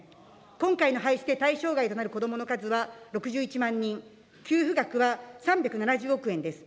今回の廃止で対象外となる子どもの数は６１万人、給付額は３７０億円です。